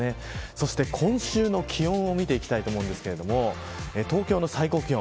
そして今週の気温を見ていきたいと思うんですが東京の最高気温。